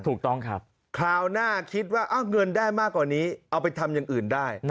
ถูกต้องครับคราวหน้าคิดว่าเงินได้มากกว่านี้เอาไปทำอย่างอื่นได้